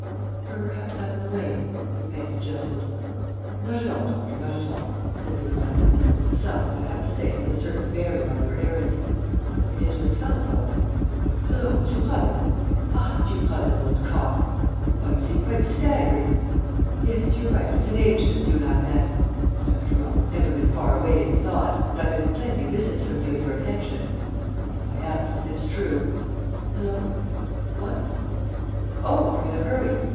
"Perhaps I'm in the way?" Lupin suggested. "Not at all, doctor, not at all," said Daubrecq. "Besides, what I have to say has a certain bearing on your errand." And, into the telephone, "Hullo! M. Prasville?... Ah, it's you, Prasville, old cock!... Why, you seem quite staggered! Yes, you're right, it's an age since you and I met. But, after all, we've never been far away in thought.... And I've had plenty of visits from you and your henchmen.... In my absence, it's true. Hullo!.... What?... Oh, you're in a hurry?